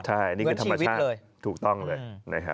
ใช่นี่คือธรรมชาติถูกต้องเลยนะครับ